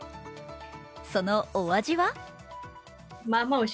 そのお味は？